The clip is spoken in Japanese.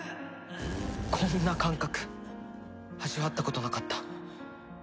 こんな感覚味わったことなかった。